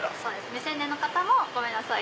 未成年の方もごめんなさい。